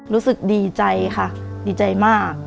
รู้สึกดีใจค่ะดีใจมาก